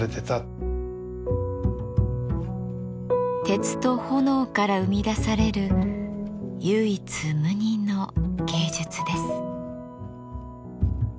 鉄と炎から生み出される唯一無二の芸術です。